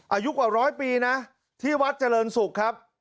อายุกว่าร้อยปีนะที่วัดเจริญศุกร์ครับ